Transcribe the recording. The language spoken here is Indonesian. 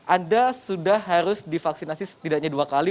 anda sudah harus divaksinasi setidaknya dua kali